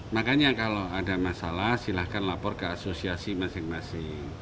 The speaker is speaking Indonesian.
makanya kalau ada masalah silahkan lapor ke asosiasi masing masing